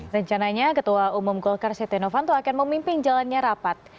rencananya ketua umum golkar setehnovanto akan memimpin jalannya rapat